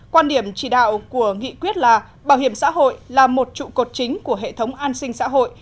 quan điểm chỉ đạo của nghị quyết là bảo hiểm xã hội là một trụ cột chính của hệ thống an sinh xã hội